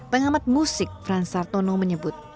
pengamat musik franz sartono menyebut